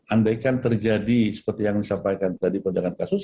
andaikan terjadi seperti yang disampaikan tadi penjagaan kasus